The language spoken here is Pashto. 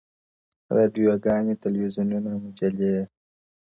راډیوګاني، ټلویزیونونه، مجلې